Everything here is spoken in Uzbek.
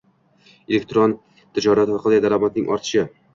Elektron tijorat orqali daromadining ortishi